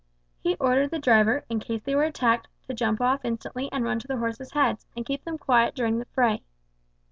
He ordered the driver, in case they were attacked, to jump off instantly and run to the horses' heads, and keep them quiet during the fray.